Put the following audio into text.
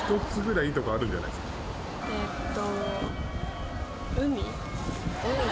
えっと。